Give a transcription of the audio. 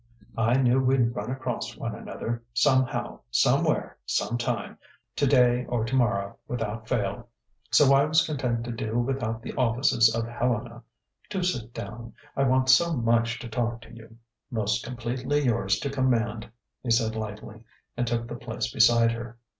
"I knew we'd run across one another, somehow, somewhere, sometime today or tomorrow, without fail. So I was content to do without the offices of Helena. Do sit down. I want so much to talk to you." "Most completely yours to command," he said lightly, and took the place beside her.